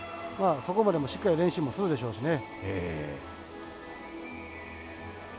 そこまでもしっかり練習もするでしょうしね。